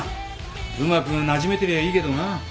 うまくなじめてりゃいいけどな。